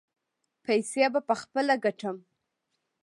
پیسې به پخپله ګټم.